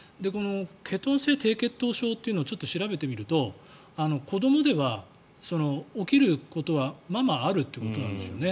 ケトン性低血糖症というのをちょっと調べてみると子どもでは起きることは間々あるということなんですよね。